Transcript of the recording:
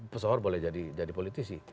pesohor boleh jadi politisi